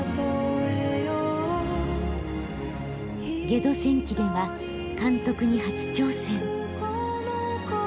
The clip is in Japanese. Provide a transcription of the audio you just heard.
「ゲド戦記」では監督に初挑戦。